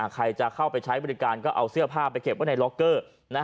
ใครจะเข้าไปใช้บริการก็เอาเสื้อผ้าไปเก็บไว้ในล็อกเกอร์